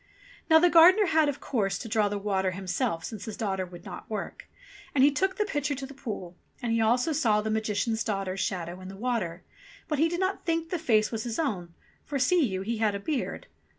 Now the gardener had, of course, to draw the water himself, since his daughter would not work. And he took the pitcher to the pool ; and he also saw the Magician's daughter's shadow in the water ; but he did not think the face was his own, for, see you, he had a beard